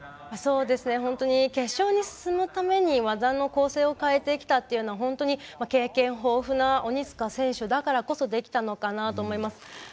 そうですね決勝に進むために技の構成を変えてきたというのは本当に経験豊富な鬼塚選手だからこそできたのかなと思います。